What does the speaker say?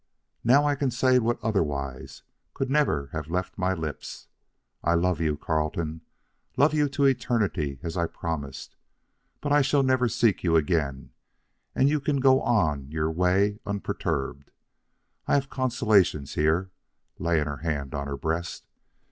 Now I can say what otherwise could never have left my lips. I love you, Carleton, love you to eternity as I promised; but I shall never seek you again, and you can go on your way unperturbed. I have consolations here," laying her hand on her breast.